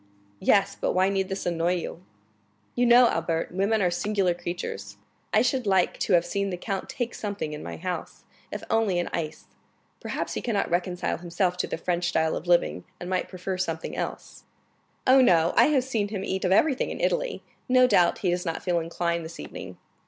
"Yes; but why need this annoy you?" "You know, Albert, women are singular creatures. I should like to have seen the count take something in my house, if only an ice. Perhaps he cannot reconcile himself to the French style of living, and might prefer something else." "Oh, no; I have seen him eat of everything in Italy; no doubt he does not feel inclined this evening."